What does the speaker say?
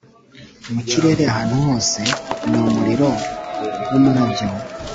mu kirere, ahantu hose, ni umuriro wumurabyo